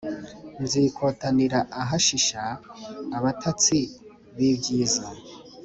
Nzikotanira ahashisha abatatsi bibyiza